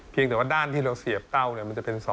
แต่ว่าด้านที่เราเสียบเก้ามันจะเป็น๒